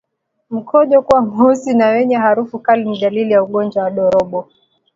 Mkojo kuwa mweusi na wenye harufu kali ni dalili za ugonjwa wa ndorobo